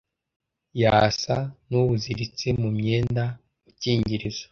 Yasa nuwuziritse mu mwenda ukingiriza